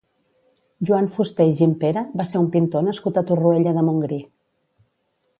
Joan Fuster i Gimpera va ser un pintor nascut a Torroella de Montgrí.